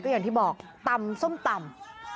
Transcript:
อย่างที่บอกตำส้มตำ